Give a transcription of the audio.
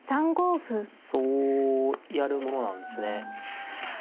そうやるものなんですね。